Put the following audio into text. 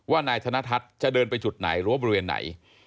นายธนทัศน์จะเดินไปจุดไหนหรือว่าบริเวณไหน